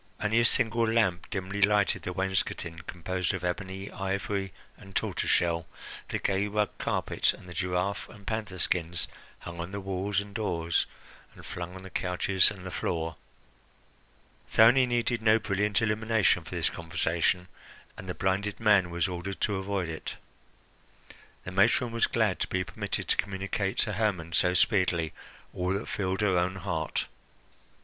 Only a single lamp dimly lighted the wainscoting, composed of ebony, ivory, and tortoise shell, the gay rug carpet, and the giraffe and panther skins hung on the walls and doors and flung on the couches and the floor. Thyone needed no brilliant illumination for this conversation, and the blinded man was ordered to avoid it. The matron was glad to be permitted to communicate to Hermon so speedily all that filled her own heart.